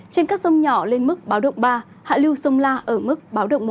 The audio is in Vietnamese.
trên các sông nhỏ lên mức báo động ba hạ lưu sông la ở mức báo động một